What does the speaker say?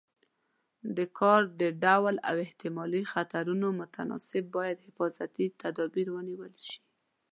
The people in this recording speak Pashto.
د کار د ډول او احتمالي خطرونو متناسب باید حفاظتي تدابیر ونیول شي.